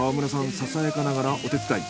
ささやかながらお手伝い。